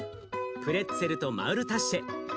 プレッツェルとマウルタッシェ。